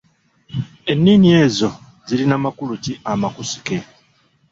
Ennini ezo zirina makulu ki amakusike?